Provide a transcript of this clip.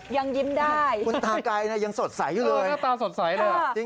ยังยิ้มได้คุณตาไกรยังสดใสอยู่เลยหน้าตาสดใสเลย